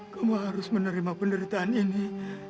kamu harus menerima penderitaan ini